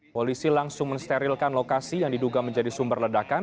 polisi langsung mensterilkan lokasi yang diduga menjadi sumber ledakan